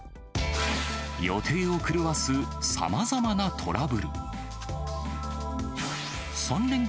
予定を狂わすさまざまなトラブル。